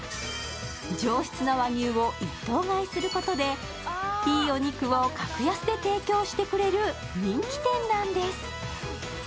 上質な和牛を１頭買いすることでいいお肉を格安で提供してくれる人気店なんです。